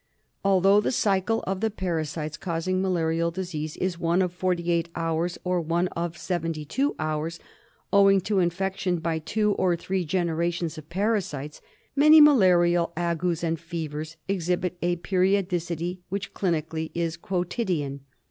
Although the cycle of the parasites causing malarial •disease is one of forty eight hours, or one of seventy two hours, owing to infection by two or three generations of parasites many malarial agues and fevers exhibit a period icity which, clinically, is quotidian.